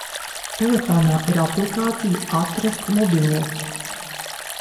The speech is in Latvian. Telefonā ir aplikācija "Atrast mobilo".